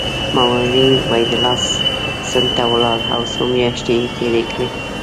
مولوي عبیدالله سند ته ولاړ او څو میاشتې یې تېرې کړې.